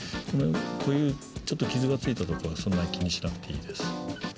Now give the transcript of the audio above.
こういうちょっと傷がついたところはそんなに気にしなくていいです。